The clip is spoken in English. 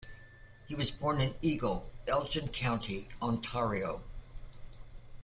He was born in Eagle, Elgin County, Ontario.